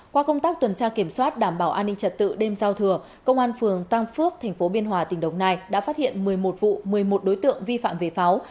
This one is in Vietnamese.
qua công tác tuần tra kiểm soát đảm bảo an ninh trật tự đêm giao thừa công an phường tăng phước tp biên hòa tỉnh đồng nai đã phát hiện một mươi một vụ một mươi một đối tượng vi phạm về pháo